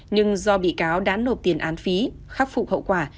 nhưng do bị cáo đã nộp tiền án phí khắc phục hậu quả